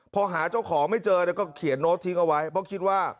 พอหาเจ้าของไม่เจอก็เขียนโน้ตทิ้งเอาไว้เพราะคิดว่า